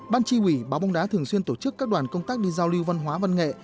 ban tri ủy báo bóng đá thường xuyên tổ chức các đoàn công tác đi giao lưu văn hóa văn nghệ